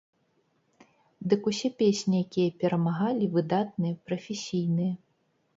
Дык усе песні, якія перамагалі, выдатныя, прафесійныя.